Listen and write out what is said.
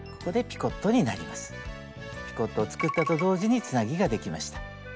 ピコットを作ったと同時につなぎができました。